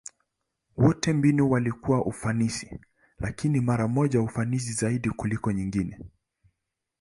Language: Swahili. Wote mbinu walikuwa ufanisi, lakini mara moja ufanisi zaidi kuliko nyingine.